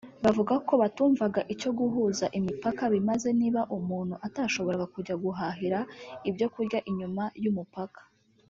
bavuga ko batumvaga icyo guhuza imipaka bimaze niba umuntu atashoboraga kujya guhahira ibyo kurya inyuma y’umupaka